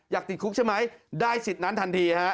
ติดคุกใช่ไหมได้สิทธิ์นั้นทันทีฮะ